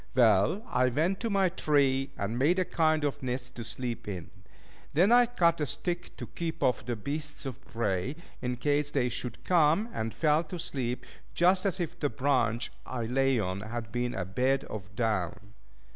Well, I went to my tree, and made a kind of nest to sleep in. Then I cut a stick to keep off the beasts of prey, in case they should come, and fell to sleep just as if the branch I lay on had been a bed of down.